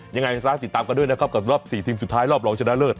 ยังไงซะติดตามกันด้วยนะครับกับรอบ๔ทีมสุดท้ายรอบรองชนะเลิศ